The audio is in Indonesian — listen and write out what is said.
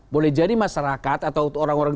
boleh jadi masyarakat atau orang orang